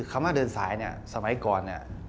คำว่าเดินสายเนี่ยสมัยก่อนเนี่ย